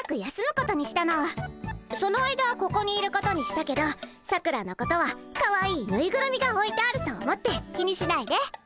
その間ここにいることにしたけどさくらのことはかわいいぬいぐるみがおいてあると思って気にしないで。